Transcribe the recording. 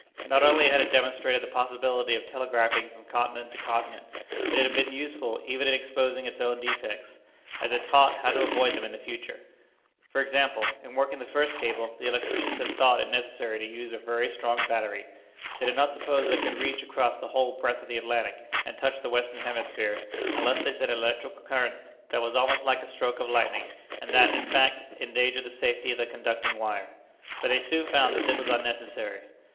Not only had it demonstrated the possibility of telegraphing from continent to continent, but it had been useful even in exposing its own defects, as it taught how to avoid them in the future. For example, in working the first cable, the electricians had thought it necessary to use a very strong battery. They did not suppose they could reach across the whole breadth of the Atlantic, and touch the Western hemisphere, unless they sent an electric current that was almost like a stroke of lightning; and that, in fact, endangered the safety of the conducting wire. But they soon found that this was unnecessary.